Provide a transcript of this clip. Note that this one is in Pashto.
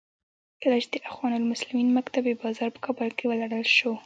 کله چې د اخوان المسلمین مکتبې بازار په کابل کې ولړل شو.